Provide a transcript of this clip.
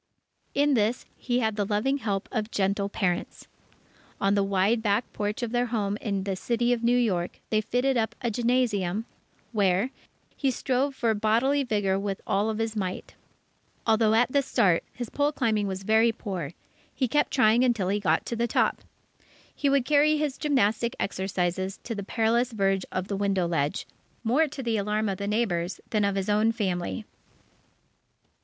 In this, he had the loving help of gentle parents. On the wide back porch of their home in the City of New York, they fitted up a gymnasium, where he strove for bodily vigour with all his might. Although at the start, his pole climbing was very poor, he kept trying until he got to the top. He would carry his gymnastic exercises to the perilous verge of the window ledge, more to the alarm of the neighbours than of his own family.